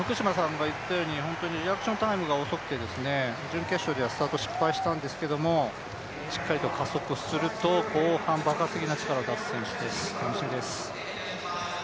リアクションタイムが遅くて準決勝ではスタート失敗したんですけどもしっかりと加速すると、後半爆発的な力を出す選手です、楽しみです。